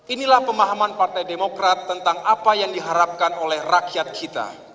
inilah pemahaman partai demokrat tentang apa yang diharapkan oleh rakyat kita